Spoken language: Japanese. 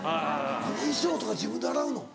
あの衣装とか自分で洗うの？